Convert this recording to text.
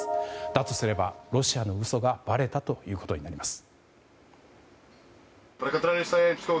だとすれば、ロシアの嘘がばれたということになります。